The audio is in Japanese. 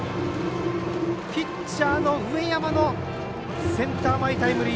ピッチャーの上山のセンター前タイムリー。